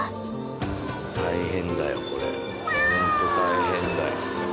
ホント大変だよ。